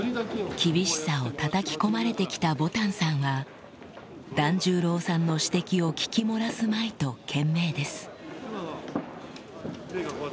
厳しさをたたき込まれて来たぼたんさんは團十郎さんの指摘を聞き漏らすまいと懸命ですふっ。